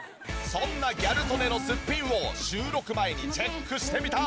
そんなギャル曽根のすっぴんを収録前にチェックしてみた。